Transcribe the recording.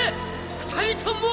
２人とも！